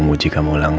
kamu harus tahu din